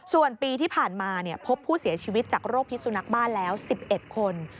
ส่วนปีที่ผ่านมาพบผู้เสียชีวิตจากโรคพิสุนักบ้านแล้ว๑๑คน